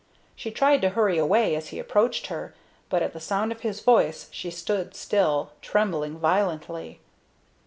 She tried to hurry away as he approached her, but at the sound of his voice she stood still, trembling violently.